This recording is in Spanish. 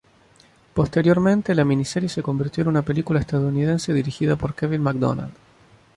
Posteriormente, la miniserie se convirtió en una película estadounidense dirigida por Kevin Macdonald.